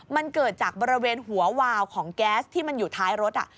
มันเกิดจากบริเวณหัววาวของแก๊สที่มันอยู่ท้ายรถ